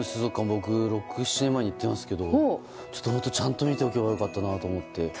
僕、６７年前に行きましたが本当ちゃんと見ておけば良かったなと思って。